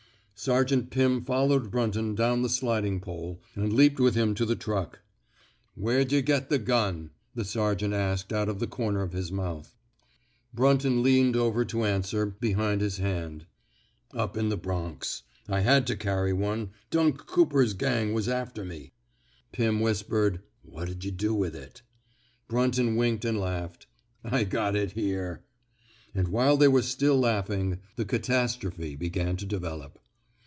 Sergeant Pim followed Brunton down the sliding pole, and leaped with him to the truck, Where 'd yuh get the gun? '* the sergeant asked out of the comer of his mouth. Brunton leaned over to answer, behind his hand, *' Up in the Bronx. I had to carry one. Dunk Cooper's gang was after me." Pim whispered, What'd yuh do with it? '' Brunton winked and laughed. I got it here." And while they were still laughing, the catastrophe began to develop.